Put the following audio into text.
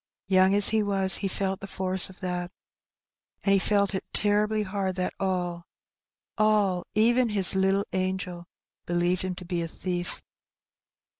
Young as he was, he felt the force of that. And he felt it terribly hard that all — all ! even his Uttle angel — believed him to be a thief.